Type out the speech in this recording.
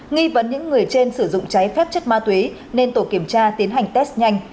nghi vấn những người trên sử dụng trái phép chất ma túy nên tổ kiểm tra tiến hành test nhanh